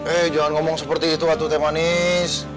eh jangan ngomong seperti itu atu temanis